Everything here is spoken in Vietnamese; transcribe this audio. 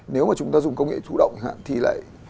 nếu mà chúng ta dùng công nghệ thủ động chẳng hạn thì lại